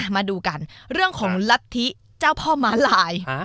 มาดูกันเรื่องของลัทธิเจ้าพ่อม้าลาย